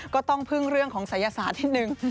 ก็ต้องพึ่งเรื่องของศัยศาสตร์นิดนึง